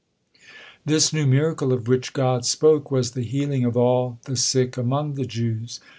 This new miracle of which God spoke was the healing of all the sick among the Jews.